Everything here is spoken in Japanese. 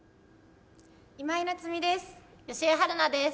今井菜津美です。